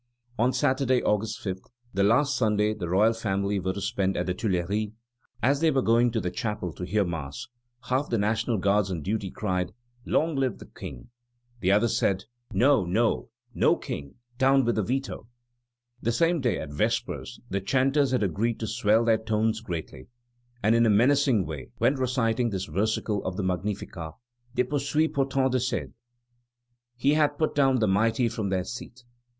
On Sunday, August 5, the last Sunday the royal family were to spend at the Tuileries, as they were going to the chapel to hear Mass, half the National Guards on duty cried: "Long live the King!" The others said: "No, no; no King, down with the veto!" The same day, at Vespers, the chanters had agreed to swell their tones greatly, and in a menacing way, when reciting this versicle of the Magnificat: Deposuit potentes de sede "He hath put down the mighty from their seat."